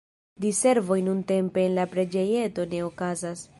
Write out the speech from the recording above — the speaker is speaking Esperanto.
Diservoj nuntempe en la preĝejeto ne okazas.